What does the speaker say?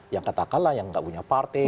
yang katakanlah yang nggak punya partai